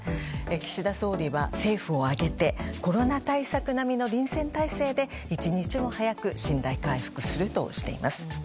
岸田総理は政府を挙げてコロナ対策並みの臨戦態勢で一日も早く信頼回復するとしています。